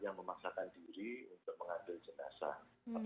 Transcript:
yang memaksakan kita untuk menjaga keamanan